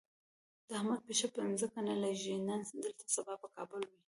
د احمد پښه په ځمکه نه لږي، نن دلته سبا په کابل وي.